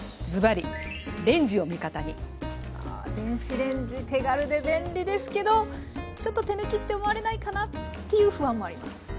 ズバリああ電子レンジ手軽で便利ですけどちょっと手抜きって思われないかな？っていう不安もあります。